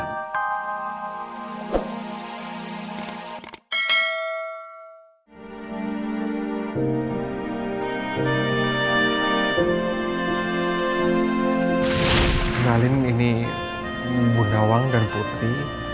kenalin ini munawang dan putri